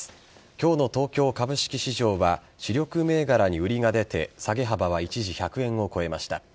今日の東京株式市場は主力銘柄に売りが出て下げ幅は一時１００円を超えました。